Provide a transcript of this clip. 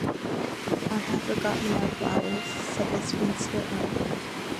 ‘I have forgotten my flowers,’ said the spinster aunt.